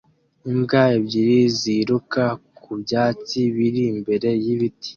Imbwa ebyiri ziruka ku byatsi biri imbere y'ibiti